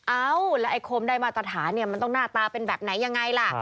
เอ้าแล้วไอ้โคมได้มาตรฐานเนี่ยมันต้องหน้าตาเป็นแบบไหนยังไงล่ะ